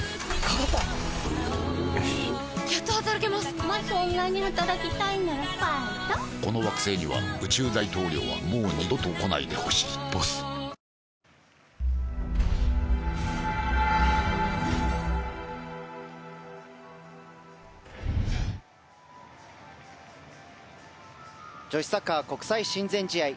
この惑星には宇宙大統領はもう二度と来ないでほしい「ＢＯＳＳ」女子サッカー国際親善試合